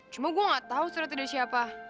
cuma gue gak tau surat dari siapa